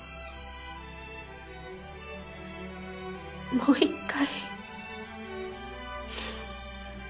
もう１回。